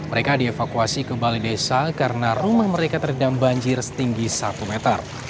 mereka dievakuasi ke balai desa karena rumah mereka terendam banjir setinggi satu meter